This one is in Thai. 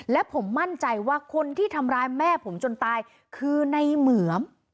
และผมมั่นใจว่าคนที่ทำร้ายแม่ผมจนตายคือในเหมือม